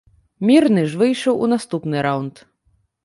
Мірны ж выйшаў у наступны раўнд.